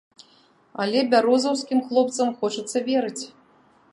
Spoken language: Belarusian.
Але бярозаўскім хлопцам хочацца верыць.